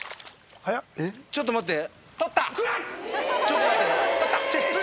ちょっと待って。